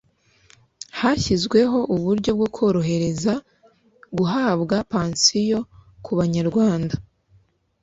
hashyizweho uburyo bwo korohereza guhabwa pansiyo ku banyarwanda